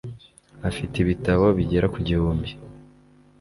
afite ibitabo bigera ku gihumbi